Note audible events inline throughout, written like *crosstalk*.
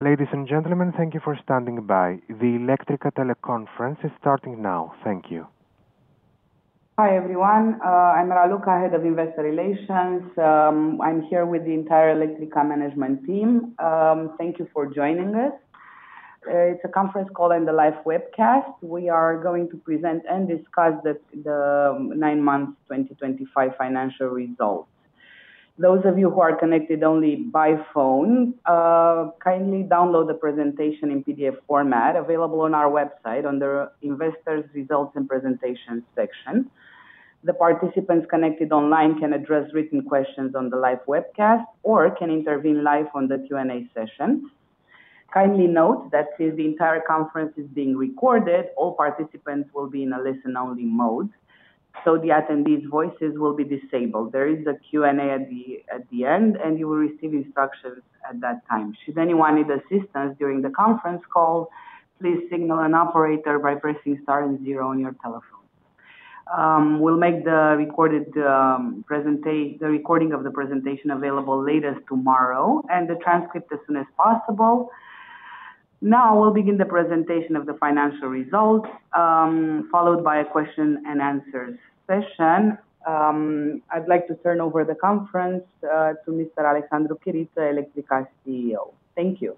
*inaudible* Investor Relations. I'm here with the entire Electrica Management Team. Thank you for joining us. It's a conference call and a live webcast. We are going to present and discuss the nine months 2025 financial results. Those of you who are connected only by phone, kindly download the presentation in PDF format available on our website under Investors' Results and Presentations section. The participants connected online can address written questions on the live webcast or can intervene live on the Q&A session. Kindly note that since the entire conference is being recorded, all participants will be in a listen-only mode, so the attendees voices will be disabled. There is a Q&A at the end, and you will receive instructions at that time. Should anyone need assistance during the conference call, please signal an operator by pressing star and zero on your telephone. We'll make the recording of the presentation available latest tomorrow and the transcript as soon as possible. Now we'll begin the presentation of the financial results, followed by a question-and-answer session. I'd like to turn over the conference to Mr. Alexandru Chirita, Electrica CEO. Thank you.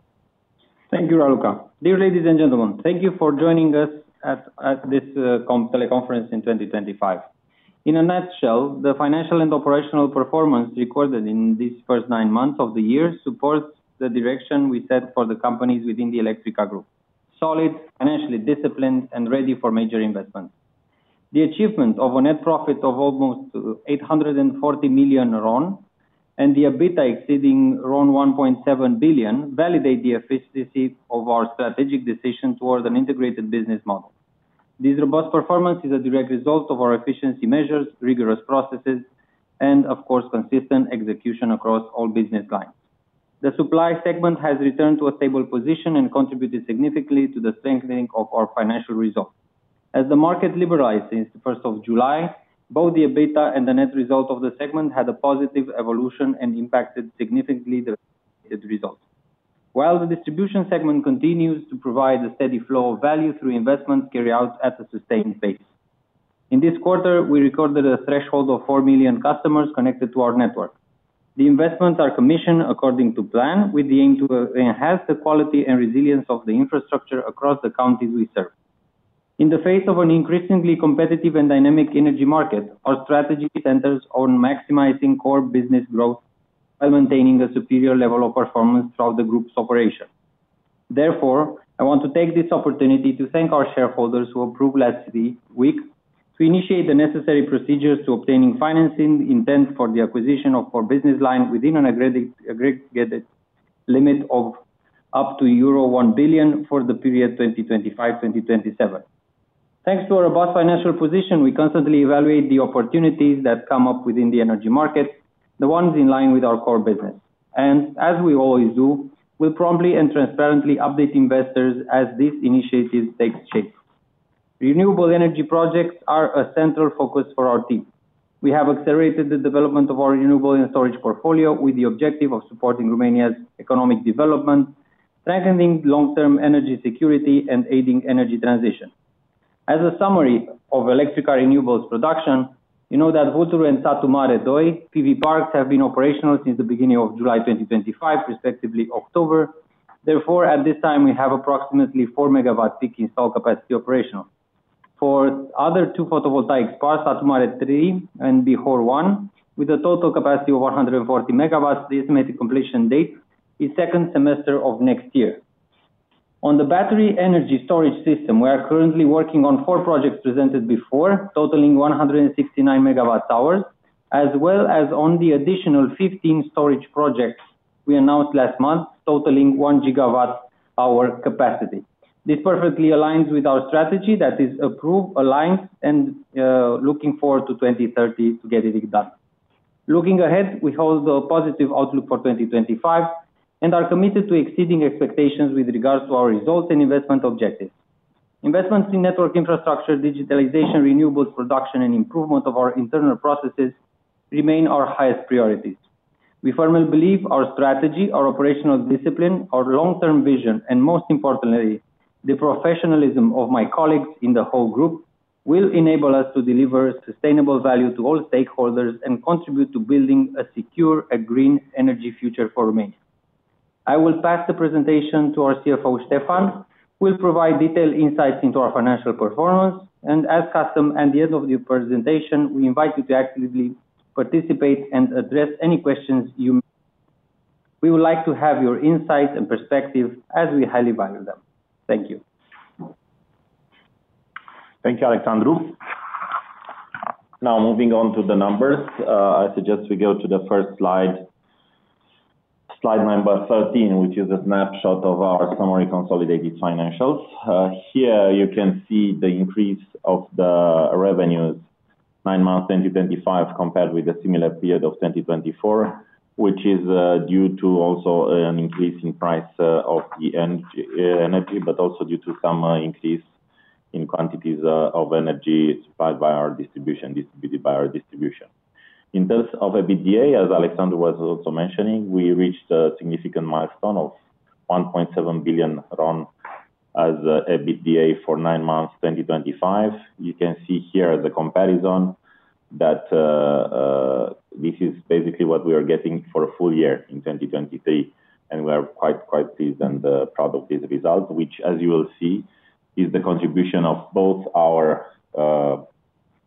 Thank you, Raluca. Dear ladies and gentlemen, thank you for joining us at this teleconference in 2025. In a nutshell, the financial and operational performance recorded in these first nine months of the year supports the direction we set for the companies within the Electrica Group: solid, financially disciplined, and ready for major investments. The achievement of a net profit of almost RON 840 million and the EBITDA exceeding RON 1.7 billion validate the efficiency of our strategic decision towards an integrated business model. This robust performance is a direct result of our efficiency measures, rigorous processes, and, of course, consistent execution across all business lines. The supply segment has returned to a stable position and contributed significantly to the strengthening of our financial results. As the market liberalized since the 1st of July, both the EBITDA and the net result of the segment had a positive evolution and impacted significantly the result. While the distribution segment continues to provide a steady flow of value through investments carried out at a sustained pace. In this quarter, we recorded a threshold of 4 million customers connected to our network. The investments are commissioned according to plan, with the aim to enhance the quality and resilience of the infrastructure across the counties we serve. In the face of an increasingly competitive and dynamic energy market, our strategy centers on maximizing core business growth while maintaining a superior level of performance throughout the group's operation. Therefore, I want to take this opportunity to thank our shareholders who approved last week to initiate the necessary procedures to obtain financing intent for the acquisition of our business line within an aggregated limit of up to euro 1 billion for the period 2025-2027. Thanks to our robust financial position, we constantly evaluate the opportunities that come up within the energy market, the ones in line with our core business. As we always do, we'll promptly and transparently update investors as this initiative takes shape. Renewable energy projects are a central focus for our team. We have accelerated the development of our renewable and storage portfolio with the objective of supporting Romania's economic development, strengthening long-term energy security, and aiding energy transition. As a summary of Electrica Renewables production, you know that Vulturu and Satu Mare 2, PV parks, have been operational since the beginning of July 2025, respectively October. Therefore, at this time, we have approximately 4 megawatt-peak install capacity operational. For other two photovoltaic parks, Satu Mare 3 and Bihor 1, with a total capacity of 140 megawatts, the estimated completion date is second semester of next year. On the battery energy storage system, we are currently working on four projects presented before, totaling 169 megawatt-hours, as well as on the additional 15 storage projects we announced last month, totaling one gigawatt-hour capacity. This perfectly aligns with our strategy that is approved, aligned, and looking forward to 2030 to get it done. Looking ahead, we hold a positive outlook for 2025 and are committed to exceeding expectations with regards to our results and investment objectives. Investments in network infrastructure, digitalization, r9enewables production, and improvement of our internal processes remain our highest priorities. We firmly believe our strategy, our operational discipline, our long-term vision, and most importantly, the professionalism of my colleagues in the whole group will enable us to deliver sustainable value to all stakeholders and contribute to building a secure, a green energy future for Romania. I will pass the presentation to our CFO, Stefan. We will provide detailed insights into our financial performance. As custom at the end of the presentation, we invite you to actively participate and address any questions you may have. We would like to have your insights and perspective as we highly value them. Thank you. Thank you, Alexandru. Now moving on to the numbers, I suggest we go to the first slide, slide number 13, which is a snapshot of our summary consolidated financials. Here you can see the increase of the revenues nine months 2025 compared with a similar period of 2024, which is due to also an increase in price of the energy, but also due to some increase in quantities of energy supplied by our distribution, distributed by our distribution. In terms of EBITDA, as Alexandru was also mentioning, we reached a significant milestone of RON 1.7 billion as EBITDA for9 months 2025. You can see here as a comparison that this is basically what we are getting for a full year in 2023. We are quite, quite pleased and proud of this result, which, as you will see, is the contribution of both our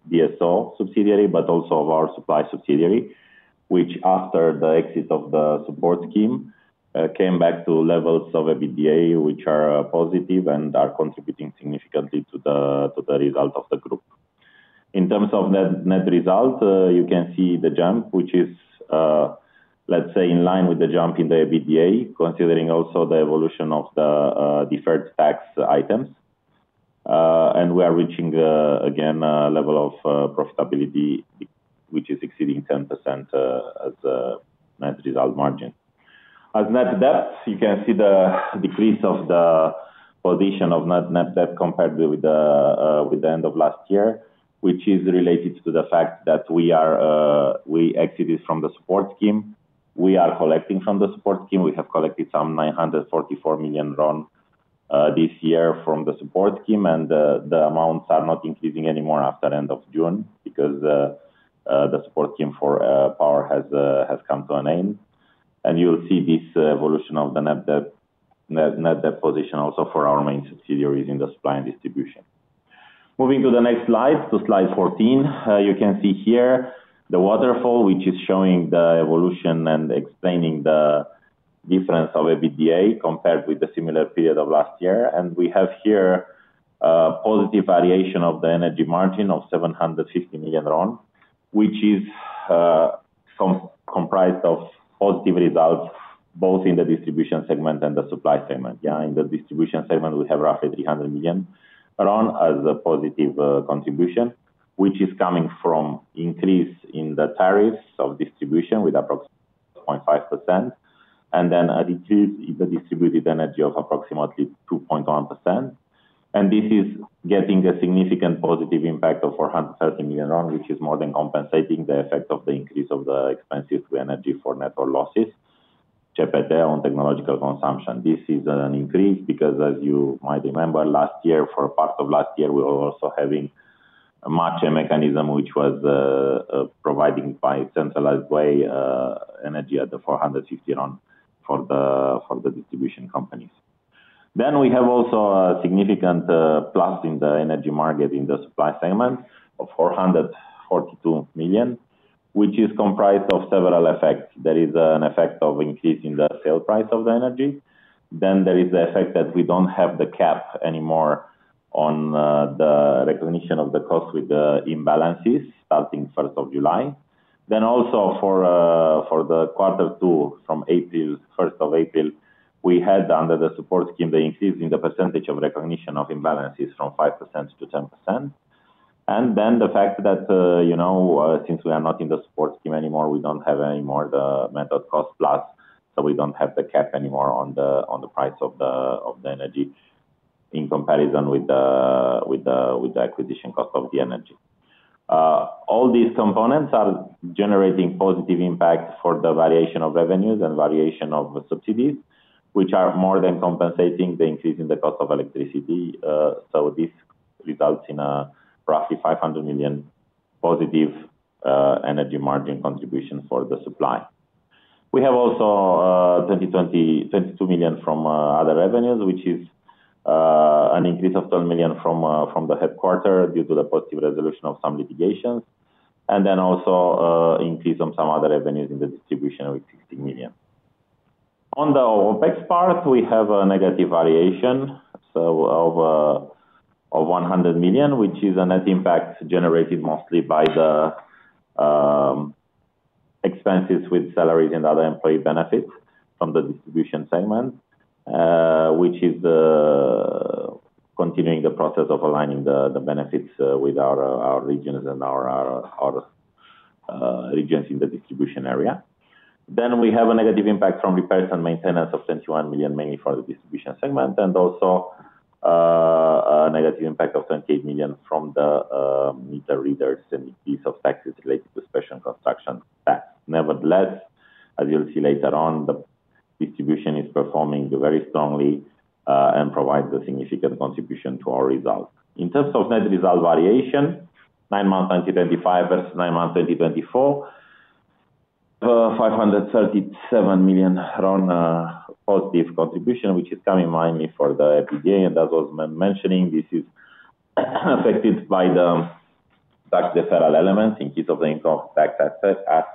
DSO subsidiary, but also of our supply subsidiary, which after the exit of the support scheme came back to levels of EBITDA, which are positive and are contributing significantly to the result of the group. In terms of net result, you can see the jump, which is, let's say, in line with the jump in the EBITDA, considering also the evolution of the deferred tax items. We are reaching again a level of profitability, which is exceeding 10% as a net result margin. As net debt, you can see the decrease of the position of net debt compared with the end of last year, which is related to the fact that we exited from the support scheme. We are collecting from the support scheme. We have collected some RON 944 million this year from the support scheme, and the amounts are not increasing anymore after the end of June because the support scheme for power has come to an end. You will see this evolution of the net debt position also for our main subsidiaries in the supply and distribution. Moving to the next slide, to slide 14, you can see here the waterfall, which is showing the evolution and explaining the difference of EBITDA compared with the similar period of last year. We have here a positive variation of the energy margin of RON 750 million, which is comprised of positive results both in the distribution segment and the supply segment. Yeah, in the distribution segment, we have roughly RON 300 million as a positive contribution, which is coming from increase in the tariffs of distribution with approximately 0.5%, and then a decrease in the distributed energy of approximately 2.1%. This is getting a significant positive impact of RON 430 million, which is more than compensating the effect of the increase of the expenses to energy for network losses, CPT on technological consumption. This is an increase because, as you might remember, last year, for part of last year, we were also having a matching mechanism, which was providing by centralized way energy at the RON 450 for the distribution companies. We have also a significant plus in the energy market in the supply segment of RON 442 million, which is comprised of several effects. There is an effect of increasing the sale price of the energy. There is the effect that we do not have the cap anymore on the recognition of the cost with the imbalances starting 1 July. Also, for quarter two from 1 April, we had under the support scheme the increase in the percentage of recognition of imbalances from 5% to 10%. The fact that since we are not in the support scheme anymore, we do not have anymore the method cost plus, so we do not have the cap anymore on the price of the energy in comparison with the acquisition cost of the energy. All these components are generating positive impact for the variation of revenues and variation of subsidies, which are more than compensating the increase in the cost of electricity. This results in a roughly RON 500 million positive energy margin contribution for the supply. We have also RON 22 million from other revenues, which is an increase of RON 12 million from the headquarter due to the positive resolution of some litigations, and also an increase on some other revenues in the distribution with RON 16 million. On the OPEX part, we have a negative variation of RON 100 million, which is a net impact generated mostly by the expenses with salaries and other employee benefits from the distribution segment, which is continuing the process of aligning the benefits with our regions and our regions in the distribution area. We have a negative impact from repairs and maintenance of RON 21 million, mainly for the distribution segment, and also a negative impact of RON 28 million from the meter readers and increase of taxes related to special construction tax. Nevertheless, as you'll see later on, the distribution is performing very strongly and provides a significant contribution to our result. In terms of net result variation, nine months 2025 versus nine months 2024, RON 537 million positive contribution, which is coming mainly from the EBITDA, and as I was mentioning, this is affected by the tax deferral element in case of the income tax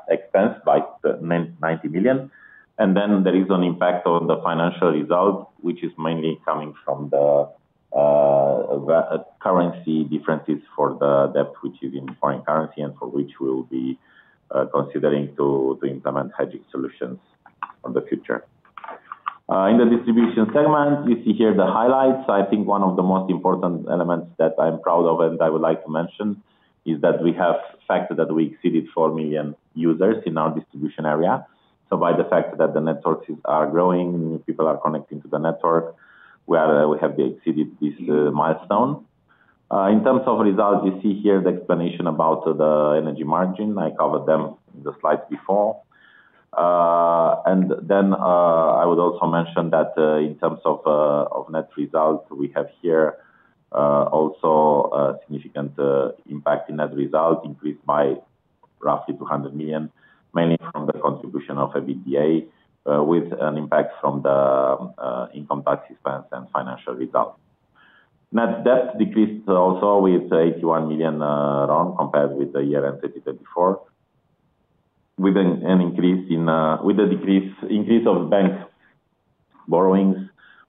expense by RON 90 million. There is an impact on the financial result, which is mainly coming from the currency differences for the debt, which is in foreign currency and for which we will be considering to implement hedging solutions for the future. In the distribution segment, you see here the highlights. I think one of the most important elements that I'm proud of and I would like to mention is that we have the fact that we exceeded 4 million users in our distribution area. By the fact that the networks are growing, people are connecting to the network, we have exceeded this milestone. In terms of results, you see here the explanation about the energy margin. I covered them in the slides before. I would also mention that in terms of net result, we have here also a significant impact in net result, increased by roughly RON 200 million, mainly from the contribution of EBITDA, with an impact from the income tax expense and financial result. Net debt decreased also with RON 81 million compared with the year end 2024, with an increase in the decrease of bank borrowings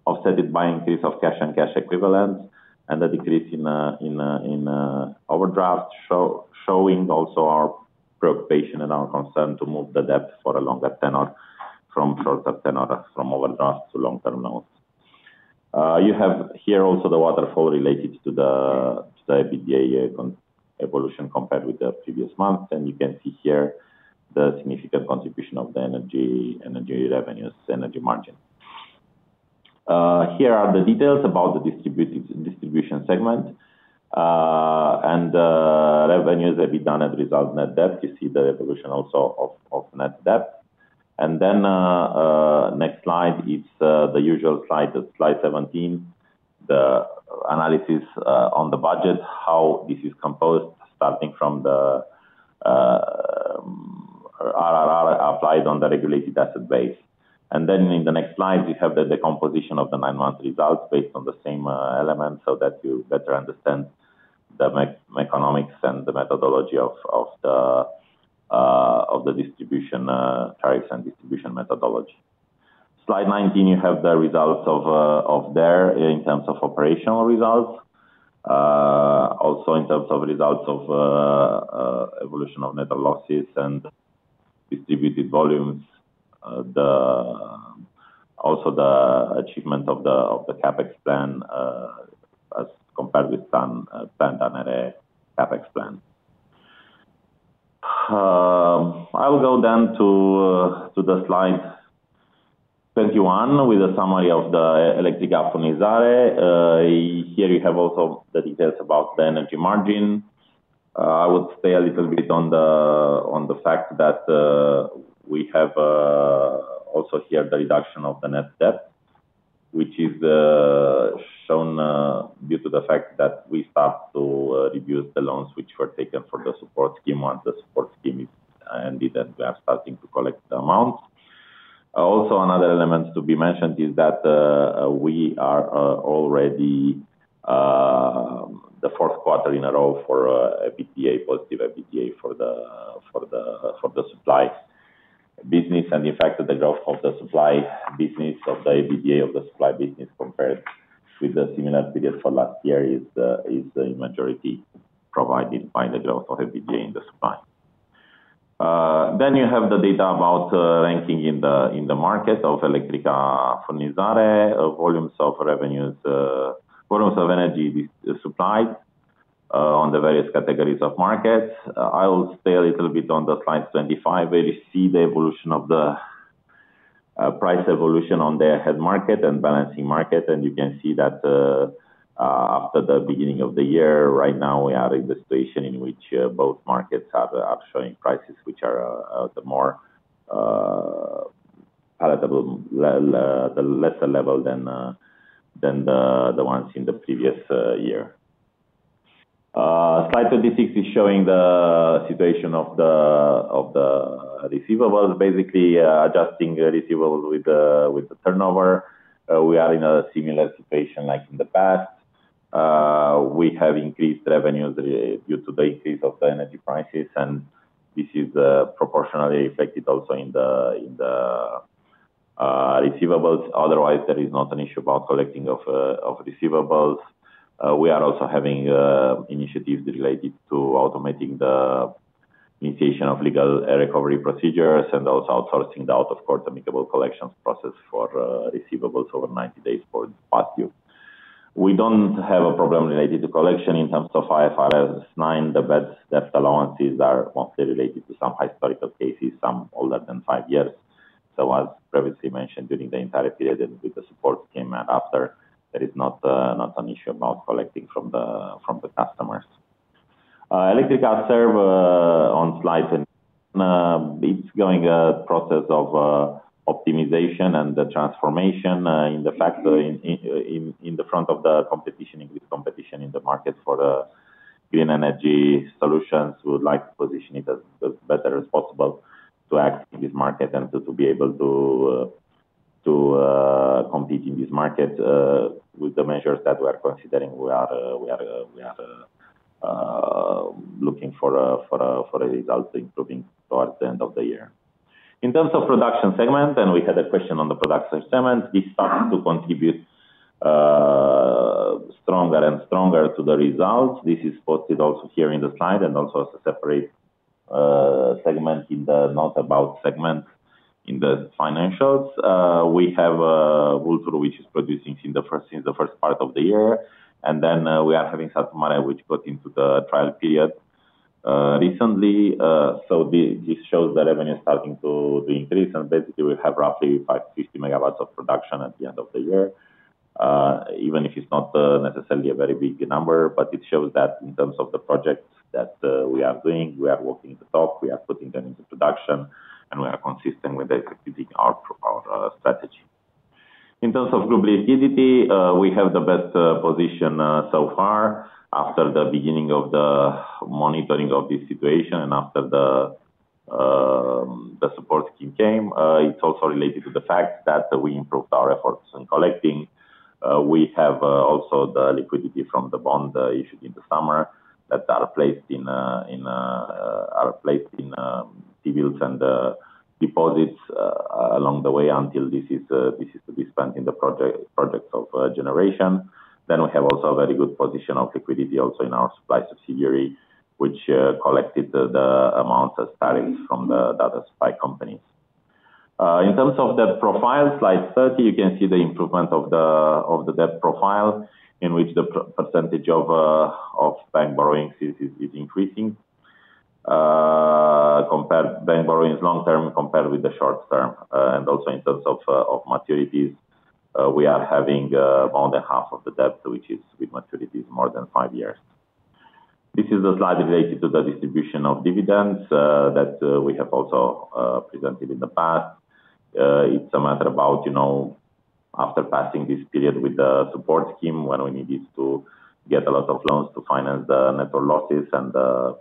offset by increase of cash and cash equivalents, and the decrease in overdraft showing also our preoccupation and our concern to move the debt for a longer tenor from short-term tenor, from overdraft to long-term loans. You have here also the waterfall related to the EBITDA evolution compared with the previous month, and you can see here the significant contribution of the energy revenues, energy margin. Here are the details about the distribution segment and revenues that we done as a result of net debt. You see the evolution also of net debt. The next slide is the usual slide, slide 17, the analysis on the budget, how this is composed starting from the RRR applied on the Regulated Asset Base. Then in the next slide, you have the composition of the nine months results based on the same elements so that you better understand the economics and the methodology of the distribution tariffs and distribution methodology. Slide 19, you have the results of there in terms of operational results, also in terms of results of evolution of net losses and distributed volumes, also the achievement of the CAPEX plan as compared with *inaudible* I'll go then to the slide 21 with a summary of the Electrica Furnizare. Here you have also the details about the energy margin. I would stay a little bit on the fact that we have also here the reduction of the net debt, which is shown due to the fact that we start to reduce the loans which were taken for the support scheme when the support scheme ended and we are starting to collect the amount. Also, another element to be mentioned is that we are already the fourth quarter in a row for EBITDA, positive EBITDA for the supply business. In fact, the growth of the supply business of the EBITDA of the supply business compared with the similar period for last year is in majority provided by the growth of EBITDA in the supply. You have the data about ranking in the market of Electrica Furnizare, volumes of revenues, volumes of energy supplied on the various categories of markets. I'll stay a little bit on the slides 25 where you see the evolution of the price evolution on the head market and balancing market. You can see that after the beginning of the year, right now we are in the situation in which both markets are showing prices which are at the more palatable, the lesser level than the ones in the previous year. Slide 26 is showing the situation of the receivables, basically adjusting the receivables with the turnover. We are in a similar situation like in the past. We have increased revenues due to the increase of the energy prices, and this is proportionally reflected also in the receivables. Otherwise, there is not an issue about collecting of receivables. We are also having initiatives related to automating the initiation of legal recovery procedures and also outsourcing the out-of-court amicable collections process for receivables over 90 days for past due. We do not have a problem related to collection in terms of IFRS 9. The bad debt allowances are mostly related to some historical cases, some older than five years. As previously mentioned, during the entire period and with the support scheme and after, there is not an issue about collecting from the customers. Electrica Serv on slide 21, it is going through a process of optimization and transformation in the face of the competition, increased competition in the market for green energy solutions. We would like to position it as well as possible to act in this market and to be able to compete in this market with the measures that we are considering. We are looking for a result improving towards the end of the year. In terms of production segment, and we had a question on the production segment, this starts to contribute stronger and stronger to the results. This is posted also here in the slide and also as a separate segment in the note about segment in the financials. We have Vulturu, which is producing since the first part of the year. We are having Satu Mare, which got into the trial period recently. This shows the revenue starting to increase. Basically, we have roughly 550 megawatts of production at the end of the year, even if it's not necessarily a very big number, but it shows that in terms of the projects that we are doing, we are walking the talk, we are putting them into production, and we are consistent with executing our strategy. In terms of global liquidity, we have the best position so far after the beginning of the monitoring of this situation and after the support scheme came. It is also related to the fact that we improved our efforts in collecting. We have also the liquidity from the bond issued in the summer that are placed in T-bills and deposits along the way until this is to be spent in the projects of generation. We have also a very good position of liquidity also in our supply subsidiary, which collected the amounts as tariffs from the data supply companies. In terms of the profile, slide 30, you can see the improvement of the debt profile in which the percentage of bank borrowings is increasing compared to bank borrowings long-term compared with the short-term. Also in terms of maturities, we are having more than half of the debt, which is with maturities more than five years. This is the slide related to the distribution of dividends that we have also presented in the past. It is a matter about after passing this period with the support scheme, when we need to get a lot of loans to finance the network losses and the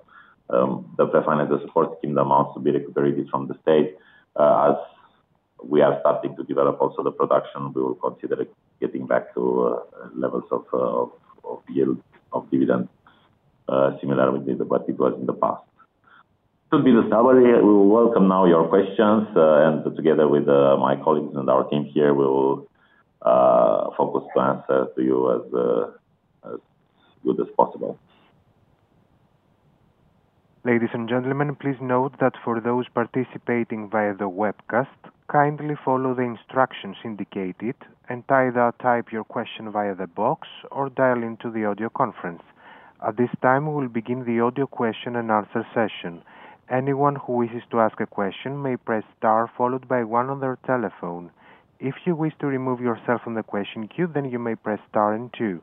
pre-finance of the support scheme, the amounts to be recuperated from the state. As we are starting to develop also the production, we will consider getting back to levels of yield of dividends similar with what it was in the past. It will be the summary. We will welcome now your questions, and together with my colleagues and our team here, we will focus to answer to you as good as possible. Ladies and gentlemen, please note that for those participating via the webcast, kindly follow the instructions indicated and either type your question via the box or dial into the audio conference. At this time, we'll begin the audio question and answer session. Anyone who wishes to ask a question may press star followed by one on their telephone. If you wish to remove yourself from the question queue, then you may press star and two.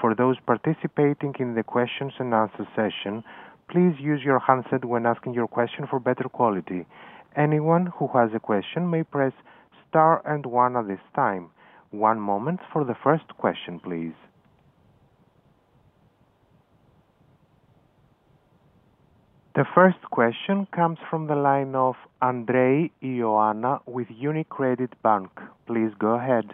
For those participating in the question and answer session, please use your handset when asking your question for better quality. Anyone who has a question may press star and one at this time. One moment for the first question, please. The first question comes from the line of Andrei Ioana with UniCredit Bank. Please go ahead.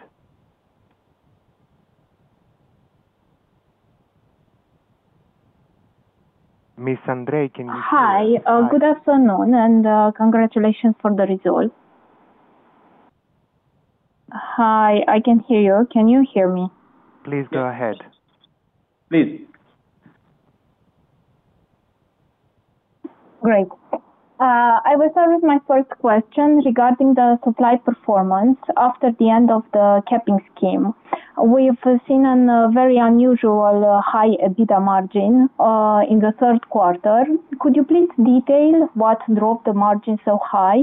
Ms. Andrei, can you hear me? Hi. Good afternoon and congratulations for the result. Hi. I can hear you. Can you hear me? Please go ahead. Please. Great. I will start with my first question regarding the supply performance after the end of the capping scheme. We've seen a very unusual high EBITDA margin in the third quarter. Could you please detail what drove the margin so high?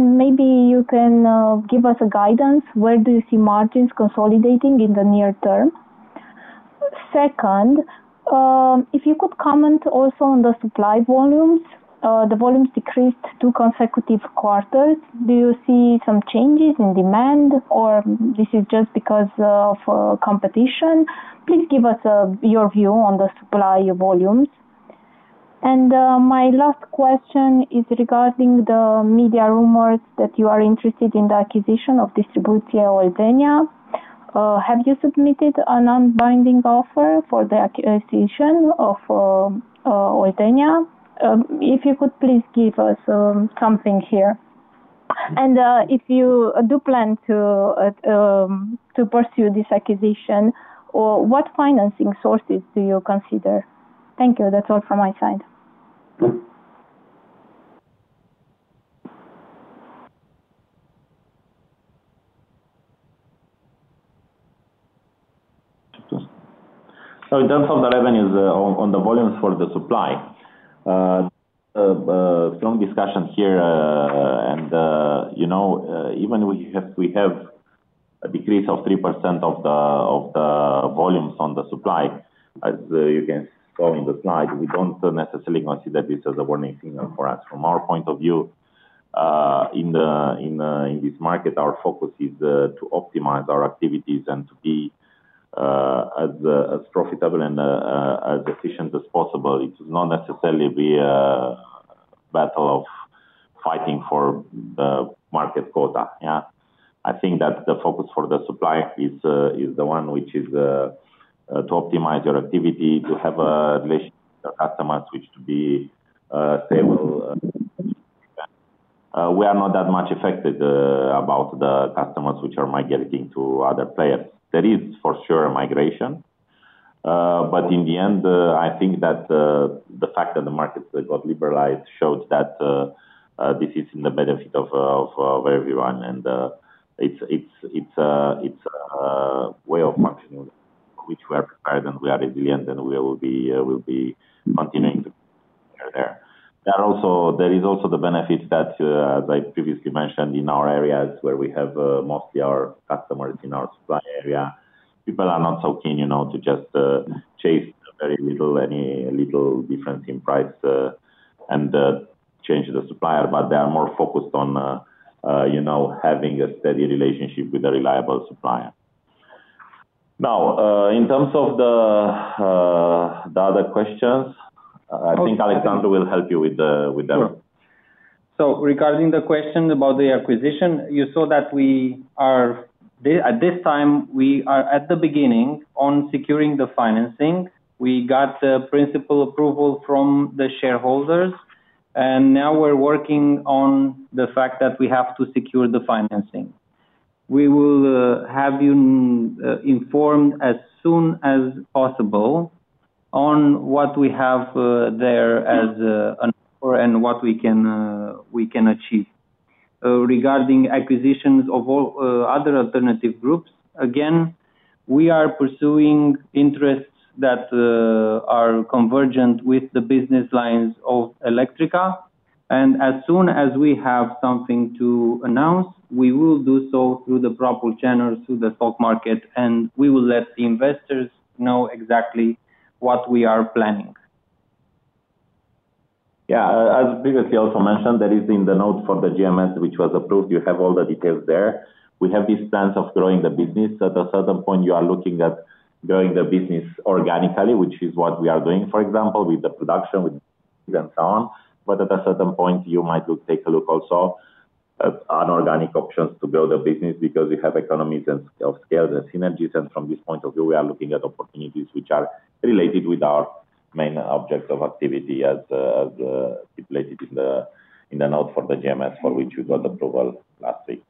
Maybe you can give us guidance, where do you see margins consolidating in the near term? Second, if you could comment also on the supply volumes, the volumes decreased two consecutive quarters. Do you see some changes in demand, or this is just because of competition? Please give us your view on the supply volumes. My last question is regarding the media rumors that you are interested in the acquisition of Distribuție Oltenia. Have you submitted a non-binding offer for the acquisition of Oltenia? If you could, please give us something here. If you do plan to pursue this acquisition, what financing sources do you consider? Thank you. That's all from my side. In terms of the revenues on the volumes for the supply, strong discussion here. Even if we have a decrease of 3% of the volumes on the supply, as you can see in the slide, we do not necessarily consider this as a warning signal for us. From our point of view, in this market, our focus is to optimize our activities and to be as profitable and as efficient as possible. It will not necessarily be a battle of fighting for the market quota. I think that the focus for the supply is the one which is to optimize your activity, to have a relationship with your customers, which to be stable. We are not that much affected about the customers which are migrating to other players. There is, for sure, migration, but in the end, I think that the fact that the market got liberalized showed that this is in the benefit of everyone. It is a way of functioning which we are prepared, and we are resilient, and we will be continuing to prepare there. There is also the benefit that, as I previously mentioned, in our areas where we have mostly our customers in our supply area, people are not so keen to just chase very little, any little difference in price and change the supplier, but they are more focused on having a steady relationship with a reliable supplier. Now, in terms of the other questions, I think Alexandru will help you with them. Regarding the question about the acquisition, you saw that at this time, we are at the beginning on securing the financing. We got principal approval from the shareholders, and now we're working on the fact that we have to secure the financing. We will have you informed as soon as possible on what we have there as an offer and what we can achieve. Regarding acquisitions of other alternative groups, again, we are pursuing interests that are convergent with the business lines of Electrica. As soon as we have something to announce, we will do so through the proper channels, through the stock market, and we will let the investors know exactly what we are planning. As previously also mentioned, there is in the note for the GMS which was approved, you have all the details there. We have this sense of growing the business. At a certain point, you are looking at growing the business organically, which is what we are doing, for example, with the production, with and so on. At a certain point, you might take a look also at unorganic options to grow the business because you have economies of scale and synergies. From this point of view, we are looking at opportunities which are related with our main object of activity as stipulated in the note for the GMS for which you got approval last week.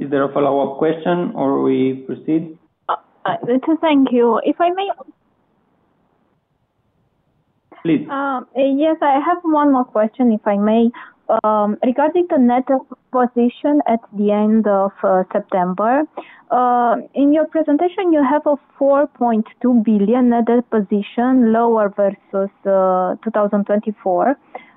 Is there a follow-up question, or we proceed? Thank you. If I may. Please. Yes, I have one more question, if I may. Regarding the net position at the end of September, in your presentation, you have a RON 4.2 billion net position lower versus 2024.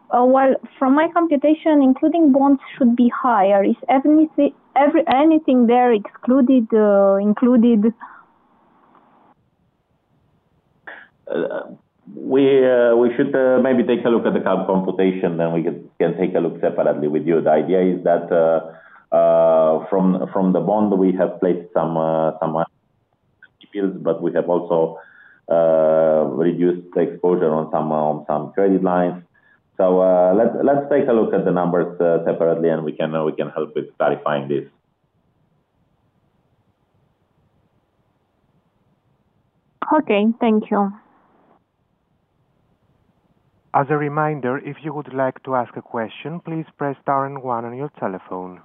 From my computation, including bonds, it should be higher. Is anything there included? We should maybe take a look at the computation, then we can take a look separately with you. The idea is that from the bond, we have placed some T-bills, but we have also reduced the exposure on some credit lines. Let's take a look at the numbers separately, and we can help with clarifying this. Okay. Thank you. As a reminder, if you would like to ask a question, please press star and one on your telephone.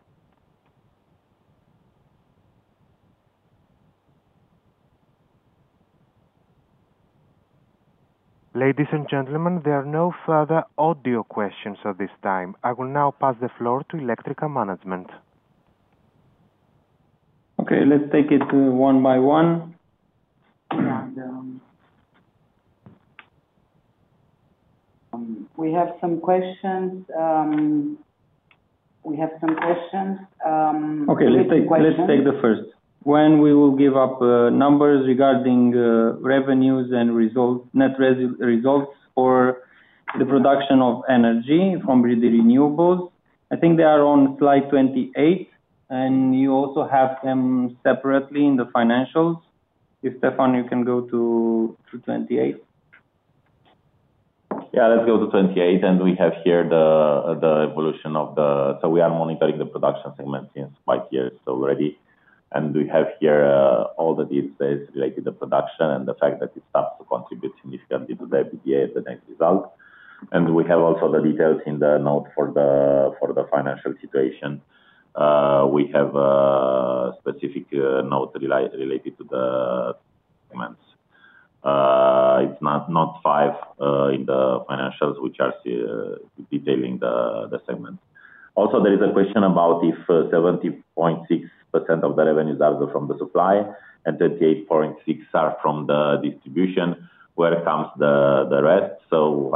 Ladies and gentlemen, there are no further audio questions at this time. I will now pass the floor to Electrica Management. Okay. Let's take it one by one. We have some questions. We have some questions. Okay. Let's take the first. When we will give up numbers regarding revenues and net results for the production of energy from renewables? I think they are on slide 28, and you also have them separately in the financials. If Stefan, you can go to 28. Yeah. Let's go to 28. We have here the evolution of the, so we are monitoring the production segment since five years already. We have here all the details related to production and the fact that it starts to contribute significantly to the EBITDA and the net result. We have also the details in the note for the financial situation. We have a specific note related to the segments. It's note five in the financials which are detailing the segments. Also, there is a question about if 70.6% of the revenues are from the supply and 38.6% are from the distribution. Where comes the rest? I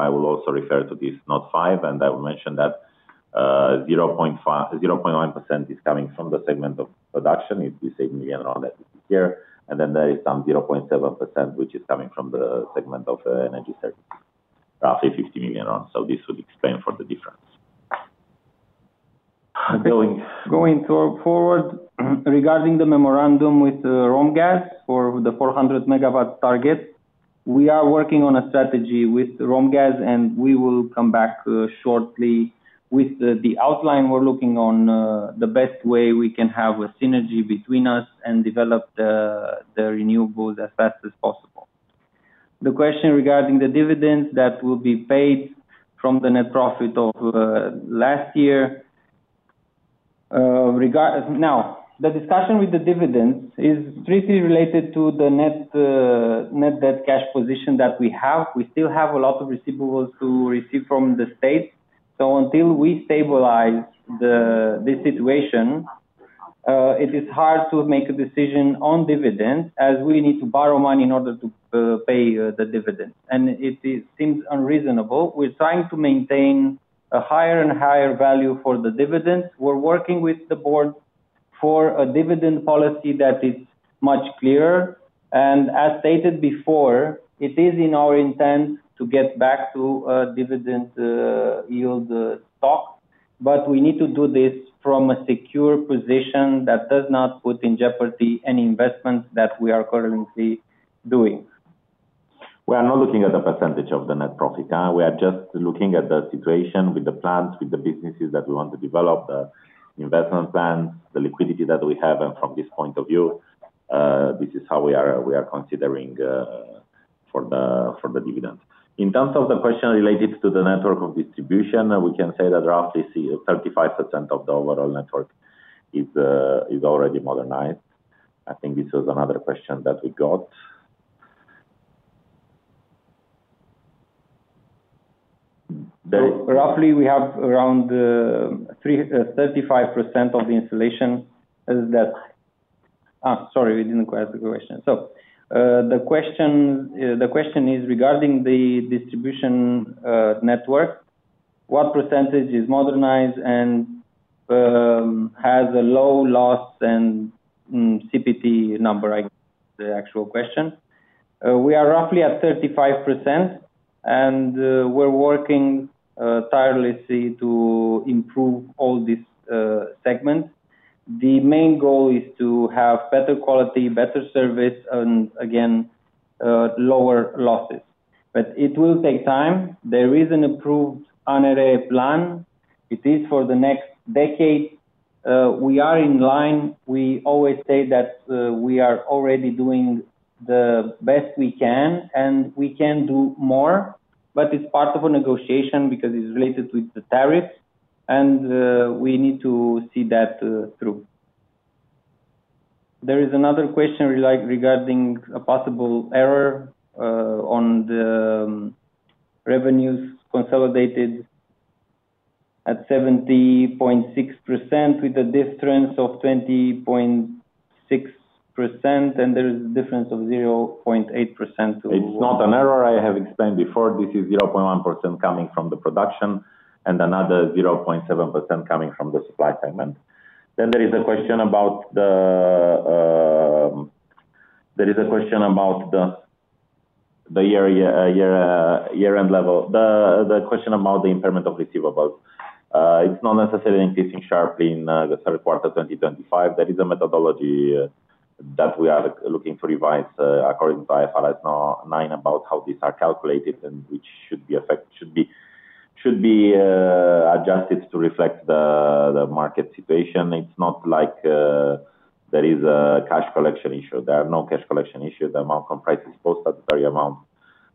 will also refer to this note five, and I will mention that 0.1% is coming from the segment of production. It is the same million RON that we see here. There is some 0.7% which is coming from the segment of energy services, roughly RON 50 million. This would explain the difference. Going forward, regarding the memorandum with ROMGAZ for the 400 megawatt target, we are working on a strategy with ROMGAZ, and we will come back shortly with the outline. We are looking on the best way we can have a synergy between us and develop the renewables as fast as possible. The question regarding the dividends that will be paid from the net profit of last year. Now, the discussion with the dividends is strictly related to the net debt cash position that we have. We still have a lot of receivables to receive from the state. Until we stabilize this situation, it is hard to make a decision on dividends as we need to borrow money in order to pay the dividends. It seems unreasonable. We are trying to maintain a higher and higher value for the dividends. We are working with the board for a dividend policy that is much clearer. As stated before, it is in our intent to get back to dividend yield stock, but we need to do this from a secure position that does not put in jeopardy any investments that we are currently doing. We are not looking at the percentage of the net profit. We are just looking at the situation with the plants, with the businesses that we want to develop, the investment plans, the liquidity that we have. From this point of view, this is how we are considering for the dividends. In terms of the question related to the network of distribution, we can say that roughly 35% of the overall network is already modernized. I think this was another question that we got. Roughly, we have around 35% of the installation that, sorry, we did not quite answer the question. The question is regarding the distribution network, what percentage is modernized and has a low loss and CPT number, I guess, is the actual question. We are roughly at 35%, and we are working tirelessly to improve all these segments. The main goal is to have better quality, better service, and again, lower losses. It will take time. There is an approved ANRE plan. It is for the next decade. We are in line. We always say that we are already doing the best we can, and we can do more, but it's part of a negotiation because it's related with the tariffs, and we need to see that through. There is another question regarding a possible error on the revenues consolidated at 70.6% with a difference of 20.6%, and there is a difference of 0.8%. It's not an error. I have explained before. This is 0.1% coming from the production and another 0.7% coming from the supply segment. There is a question about the year-end level. The question about the impairment of receivables. It's not necessarily increasing sharply in the third quarter 2025. There is a methodology that we are looking to revise according to IFRS 9 about how these are calculated and which should be adjusted to reflect the market situation. It's not like there is a cash collection issue. There are no cash collection issues. The amount comprises post-salutory amount,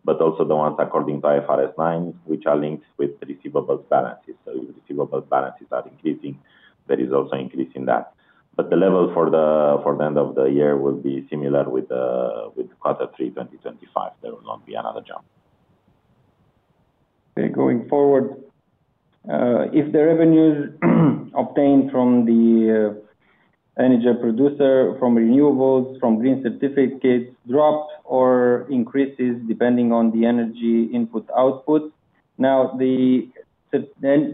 but also the ones according to IFRS 9, which are linked with receivables balances. If receivables balances are increasing, there is also an increase in that. The level for the end of the year will be similar with quarter three 2025. There will not be another jump. Going forward, if the revenues obtained from the energy producer, from renewables, from Green certificates drop or increases depending on the energy input/output. Now, the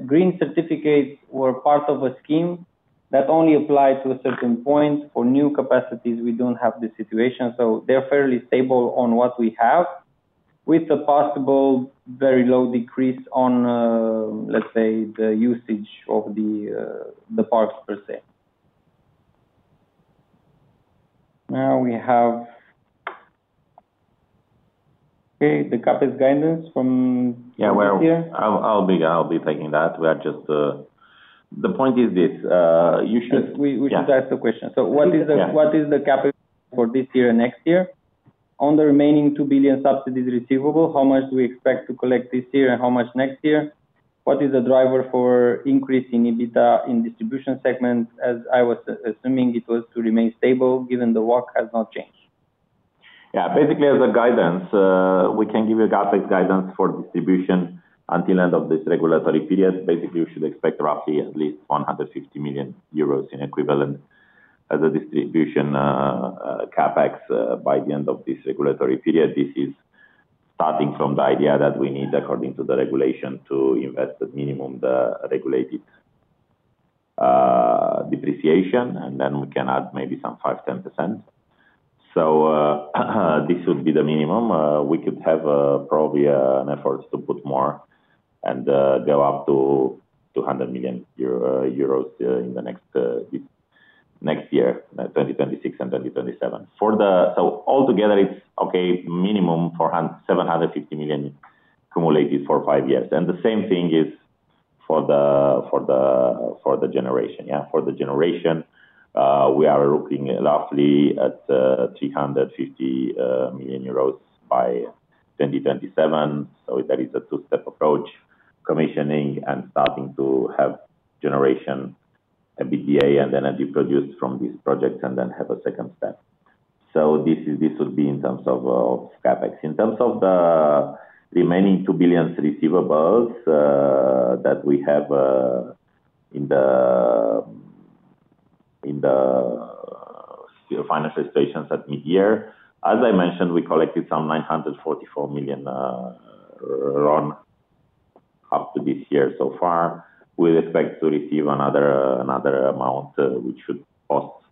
Green certificates were part of a scheme that only applied to a certain point. For new capacities, we don't have this situation. They are fairly stable on what we have, with a possible very low decrease on, let's say, the usage of the parks per se. Now we have, okay, the CAPEX guidance from this year. Yeah. I'll be taking that. The point is this. You should. We should ask the question. So what is the CAPEX for this year and next year? On the remaining 2 billion subsidies receivable, how much do we expect to collect this year and how much next year? What is the driver for increasing EBITDA in distribution segment? As I was assuming, it was to remain stable given the WACC has not changed. Yeah. Basically, as a guidance, we can give you a CAPEX guidance for distribution until the end of this regulatory period. Basically, we should expect roughly at least 150 million euros in equivalent as a distribution CAPEX by the end of this regulatory period. This is starting from the idea that we need, according to the regulation, to invest at minimum the regulated depreciation, and then we can add maybe some 5%-10%. This would be the minimum. We could have probably an effort to put more and go up to 200 million euro in the next year, 2026 and 2027. Altogether, it is okay, minimum 750 million cumulated for five years. The same thing is for the generation. For the generation, we are looking roughly at 350 million euros by 2027. There is a two-step approach, commissioning, and starting to have generation, EBITDA, and energy produced from these projects, and then have a second step. This would be in terms of CAPEX. In terms of the remaining RON 2 billion receivables that we have in the financial situations at mid-year, as I mentioned, we collected some RON 944 million rolled up to this year so far. We expect to receive another amount which should cost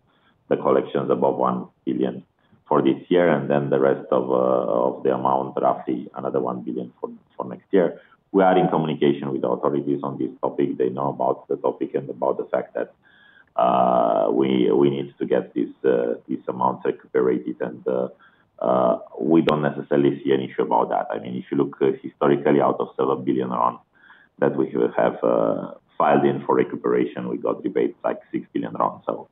the collections above RON 1 billion for this year, and then the rest of the amount, roughly another RON 1 billion for next year. We are in communication with the authorities on this topic. They know about the topic and about the fact that we need to get this amount recuperated, and we do not necessarily see an issue about that. I mean, if you look historically out of RON 7 billion rolls that we have filed in for recuperation, we got rebates like RON 6 billion rolls so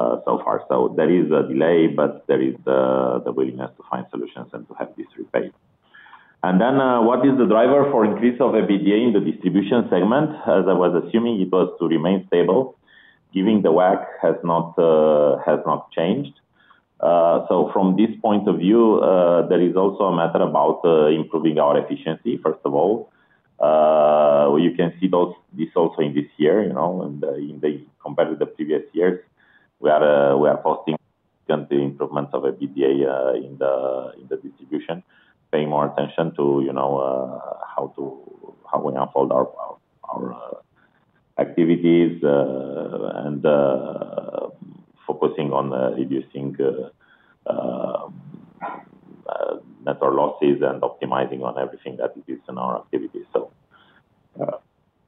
far. There is a delay, but there is the willingness to find solutions and to have this rebate. What is the driver for increase of EBITDA in the distribution segment? As I was assuming, it was to remain stable. Given the WACC has not changed. From this point of view, there is also a matter about improving our efficiency, first of all. You can see this also in this year, and compared with the previous years, we are posting the improvements of EBITDA in the distribution, paying more attention to how we unfold our activities and focusing on reducing net losses and optimizing on everything that is in our activities.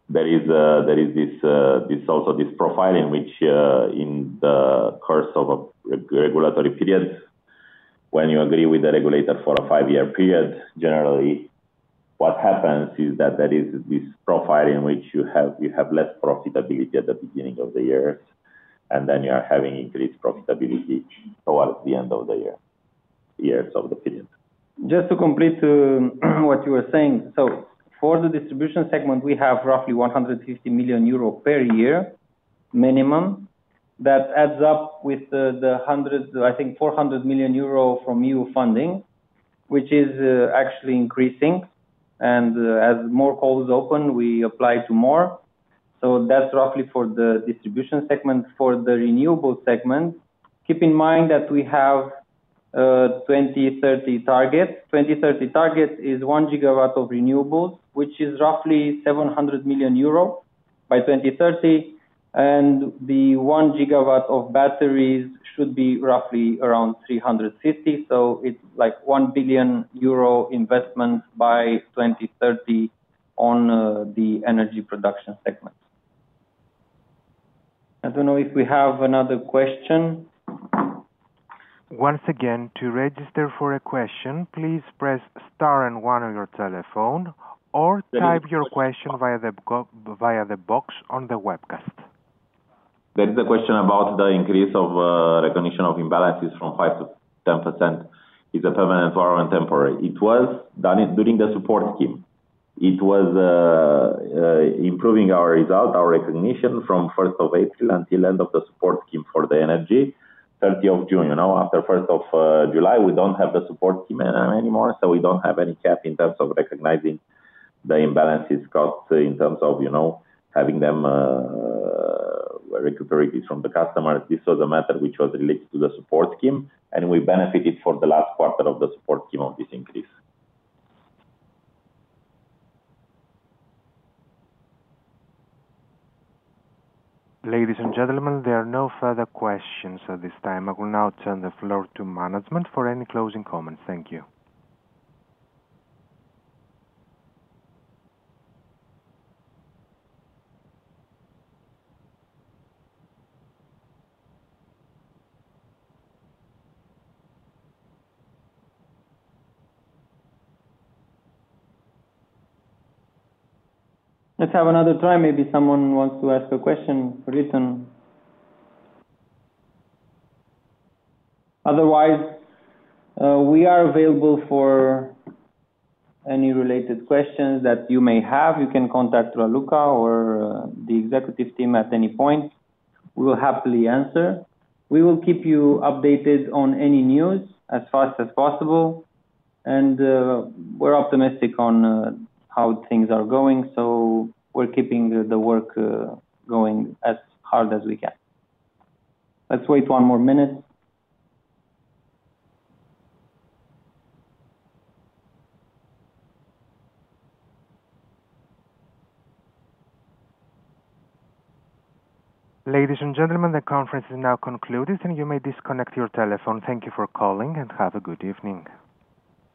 There is also this profile in which, in the course of a regulatory period, when you agree with the regulator for a five-year period, generally, what happens is that there is this profile in which you have less profitability at the beginning of the years, and then you are having increased profitability towards the end of the years of the period. Just to complete what you were saying, for the distribution segment, we have roughly 150 million euro per year minimum. That adds up with the, I think, 400 million euro from EU funding, which is actually increasing. As more calls open, we apply to more. That is roughly for the distribution segment. For the renewable segment, keep in mind that we have 2030 target. The 2030 target is 1 gigawatt of renewables, which is roughly 700 million euro by 2030. The 1 gigawatt of batteries should be roughly around 350. It is like 1 billion euro investment by 2030 on the energy production segment. I do not know if we have another question. Once again, to register for a question, please press star and 1 on your telephone or type your question via the box on the webcast. There is a question about the increase of recognition of imbalances from 5% to 10%. Is it permanent or temporary? It was done during the support scheme. It was improving our result, our recognition from 1 April until the end of the support scheme for the energy, 30 June. After 1 July, we do not have the support scheme anymore, so we do not have any cap in terms of recognizing the imbalances caused in terms of having them recuperated from the customers. This was a matter which was related to the support scheme, and we benefited for the last quarter of the support scheme of this increase. Ladies and gentlemen, there are no further questions at this time. I will now turn the floor to management for any closing comments. Thank you. Let's have another time. Maybe someone wants to ask a question for Ethan. Otherwise, we are available for any related questions that you may have. You can contact Raluca or the executive team at any point. We will happily answer. We will keep you updated on any news as fast as possible, and we're optimistic on how things are going. We are keeping the work going as hard as we can. Let's wait one more minute. Ladies and gentlemen, the conference is now concluded, and you may disconnect your telephone. Thank you for calling and have a good evening.